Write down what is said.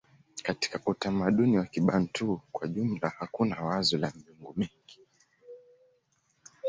Katika utamaduni wa Kibantu kwa jumla hakuna wazo la miungu mingi.